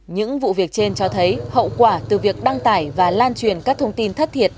những vụ việc trên cho thấy hậu quả từ việc đăng tải và lan truyền các thông tin thất thiệt